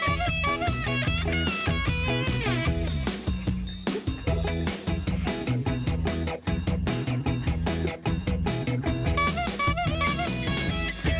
ขับเคลื่อนฮีโร่